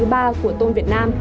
của tôm việt nam